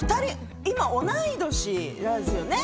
今、同い年なんですね。